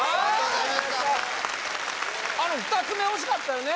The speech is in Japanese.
あの２つ目惜しかったよね